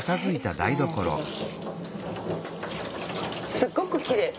すっごくきれい！